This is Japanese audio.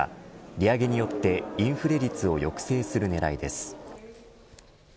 利上げによってインフレ率を抑制する狙いです。